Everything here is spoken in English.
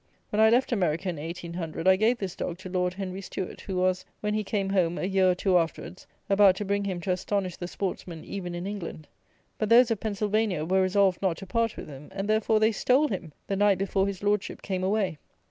When I left America, in 1800, I gave this dog to Lord Henry Stuart, who was, when he came home, a year or two afterwards, about to bring him to astonish the sportsmen even in England; but those of Pennsylvania were resolved not to part with him, and, therefore they stole him the night before his Lordship came away.